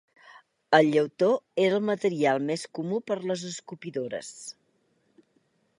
El llautó era el material més comú per a les escopidores.